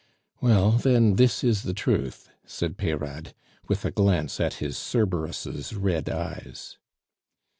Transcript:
"Well, then, this is the truth," said Peyrade, with a glance at his Cerberus' red eyes.